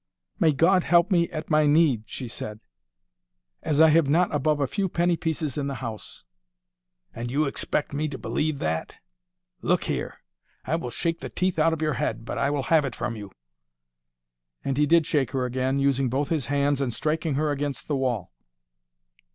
"May God help me at my need," she said, "as I have not above a few penny pieces in the house." "And you expect me to believe that! Look here! I will shake the teeth out of your head, but I will have it from you." And he did shake her again, using both his hands and striking her against the wall.